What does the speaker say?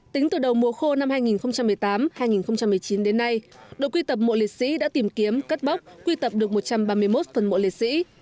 tính từ đầu mùa khô năm hai nghìn một mươi tám hai nghìn một mươi chín đến nay đội quy tập mộ liệt sĩ đã tìm kiếm cất bóc quy tập được một trăm ba mươi một phần mộ liệt sĩ